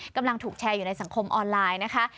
กำลังถูกแชร์อยู่ในสังคมออนไลน์นะคะ